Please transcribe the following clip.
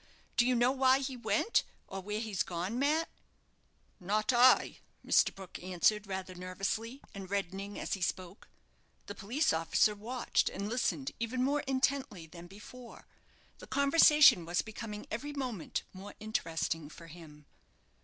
Do you know why he went, or where he's gone, Mat?" "Not I," Mr. Brook answered, rather nervously, and reddening as he spoke. The police officer watched and listened even more intently than before. The conversation was becoming every moment more interesting for him.